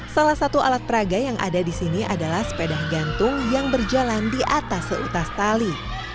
salah satu alat peraga yang ada di sini adalah sepeda gantung yang berjalan di atas seutas tali